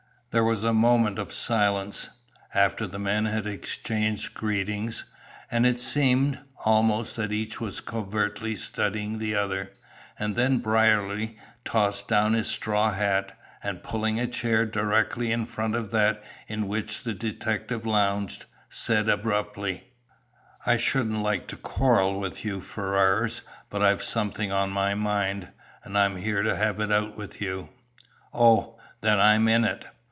There was a moment of silence, after the men had exchanged greetings, and it seemed, almost, that each was covertly studying the other, and then Brierly tossed down his straw hat, and pulling a chair directly in front of that in which the detective lounged, said, abruptly: "I shouldn't like to quarrel with you, Ferrars, but I've something on my mind, and I'm here to have it out with you." "Oh! Then I am in it?"